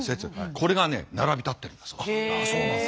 これがね並び立ってるんだそうです。